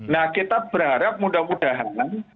nah kita berharap mudah mudahan